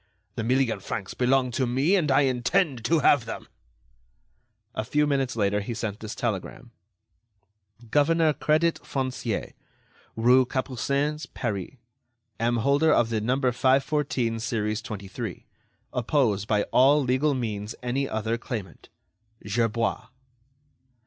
The million francs belong to me, and I intend to have them." A few minutes later, he sent this telegram: "Governor Crédit Foncier "rue Capucines, Paris. "Am holder of No. 514, series 23. Oppose by all legal means any other claimant. "GERBOIS."